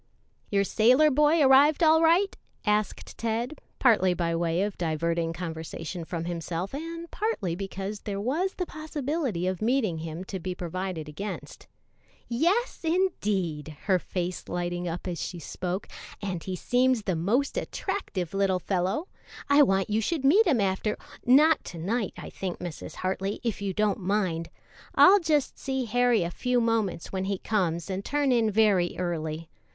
"Your sailor boy arrived all right?" asked Ted, partly by way of diverting conversation from himself and partly because there was the possibility of meeting him to be provided against. "Yes, indeed," her face lighting up as she spoke; "and he seems the most attractive little fellow. I want you should meet him after " "Not to night, I think, Mrs. Hartley, if you don't mind. I'll just see Harry a few moments when he comes and turn in very early.